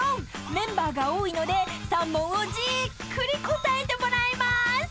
［メンバーが多いので３問をじっくり答えてもらいます］